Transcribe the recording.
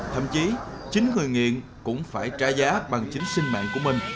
thậm chí chính người nghiện cũng phải trả giá bằng chính sinh mạng của mình